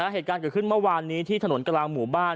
เหตุการณ์เกิดขึ้นเมื่อวานนี้ที่ถนนกลางหมู่บ้าน